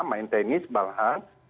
main tenis balas